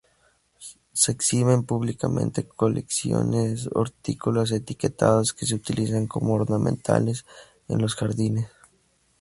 Se exhiben públicamente colecciones hortícolas etiquetadas que se utilizan como ornamentales en los jardines.